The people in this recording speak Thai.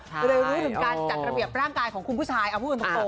เร็วรู้ถึงการจัดระเบียบร่างกายของคุณผู้ชายเอาพูดกันตรง